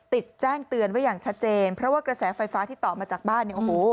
ติดแจ้งเตือนไว้อย่างชัดเจนเพราะว่ากระแสไฟฟ้าที่ต่อมาจากบ้าน